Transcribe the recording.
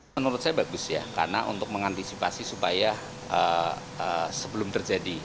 menurut saya bagus ya karena untuk mengantisipasi supaya sebelum terjadi